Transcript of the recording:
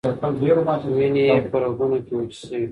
وینې یې په رګونو کې وچې شوې.